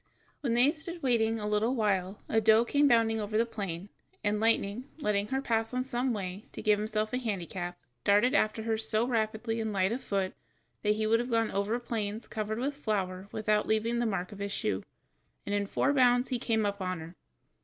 When they had stood waiting a little while a doe came bounding over the plain, and Lightning, letting her pass on some way, to give himself a handicap, darted after her so rapidly and light of foot that he would have gone over plains covered with flour without leaving the mark of his shoe, and in four bounds he came up with her.